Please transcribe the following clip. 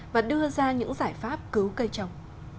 và đưa ra những giải pháp cứu cây trồng